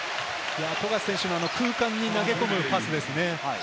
富樫選手の空間に投げ込むバスですね。